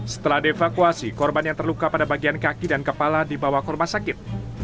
setelah devakuasi korban yang terluka pada bagian kaki dan kepala dibawah korban sakit